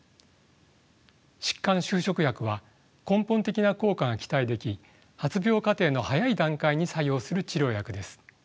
疾患修飾薬は根本的な効果が期待でき発病過程の早い段階に作用する治療薬です。